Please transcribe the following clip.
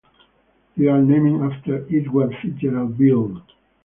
They are named after Edward Fitzgerald Beale.